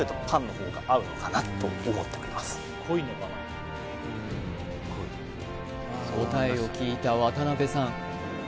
味付けの答えを聞いた渡辺さん